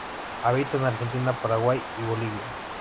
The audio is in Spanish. Habita en Argentina, Paraguay y Bolivia.